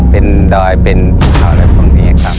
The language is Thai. เป็นดอยเป็นเต่าและตรงนี้ครับ